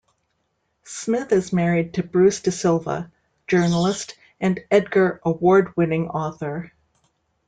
Smith is married to Bruce DeSilva, journalist and Edgar Award-winning author.